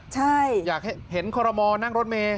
ใช่อยากให้เห็นคอรมอลนั่งรถเมย์